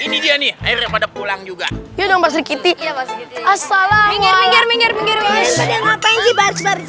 ini dia nih airnya pada pulang juga ya dong pasti kiri kiri asal ala minggir minggir minggir